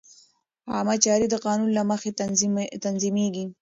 عامه چارې د قانون له مخې تنظیمېږي.